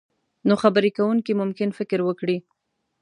نو خبرې کوونکی ممکن فکر وکړي.